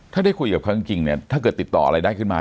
ถ้าได้คุยกับเขาจริงเนี่ยถ้าเกิดติดต่ออะไรได้ขึ้นมา